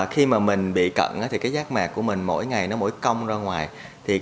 khi mình bị cận giác mạc của mình mỗi ngày mỗi cong ra ngoài